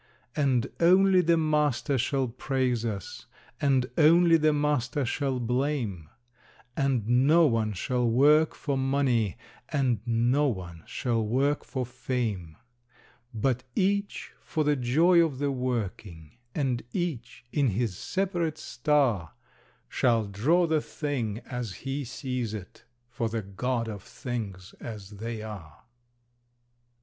And only the Master shall praise us, and only the Master shall blame; And no one shall work for money, and no one shall work for fame, But each for the joy of the working, and each, in his separate star, Shall draw the Thing as he sees It for the God of Things as They are!